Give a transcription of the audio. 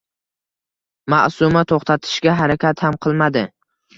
Maʼsuma toʼxtatishga harakat ham qilmadi.